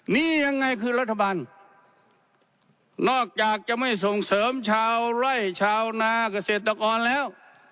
นี่ยังไงคือรัฐบาลนอกจากจะไม่ส่งเสริมชาวไร่ชาวนาเกษตรกรแล้ว